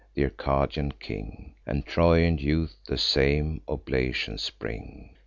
Th' Arcadian king And Trojan youth the same oblations bring.